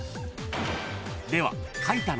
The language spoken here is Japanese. ［では］